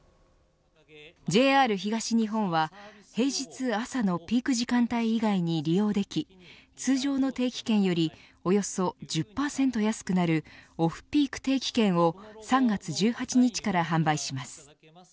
ＪＲ東日本は平日朝のピーク時間帯以外に利用でき通常の定期券よりおよそ１０％安くなるオフピーク定期券を３月１８日から販売します。